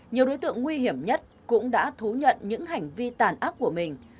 nhiều đối tượng nguy hiểm nhất cũng đã thú nhận những hành vi tàn ác của mình